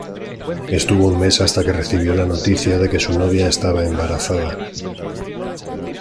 Estuvo un mes hasta que recibió la noticia de que su novia estaba embarazada.